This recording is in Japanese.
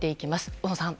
小野さん。